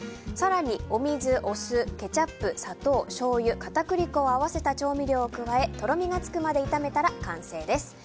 更にお水、お酢、ケチャップ砂糖、しょうゆ片栗粉を合わせた調味料を加えとろみがつくまで炒めたら完成です。